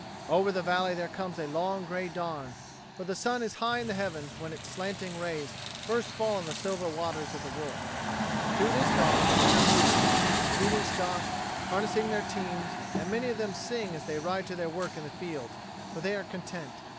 Over the valley there comes a long gray dawn, for the sun is high in the heavens when its slanting rays first fall on the silver waters of the Wolf. And through this dawn the men are moving, feeding stock, harnessing their teams, and many of them sing as they ride to their work in the fields, for they are content.